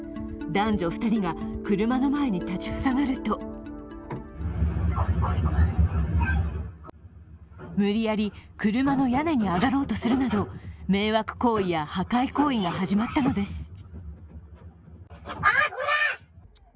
男女２人が車の前に立ち塞がると無理やり車の屋根に上がろうとするなど迷惑行為や破壊行為が始まったのです。